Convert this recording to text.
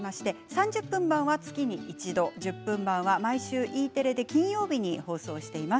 ３０分版は月に一度１０分版は毎週Ｅテレで金曜日に放送しています。